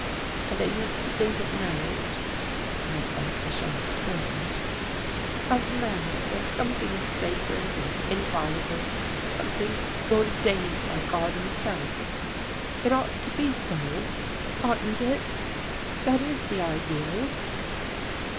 And I used to think of marriage" (I felt a sharp twinge), "of marriage as something sacred and inviolable, something ordained by God himself. It ought to be so oughtn't it? That is the ideal."